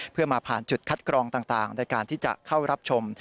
เพื่อมาผ่านจุดคัดกรองต่างในการที่จะเข้ารับชม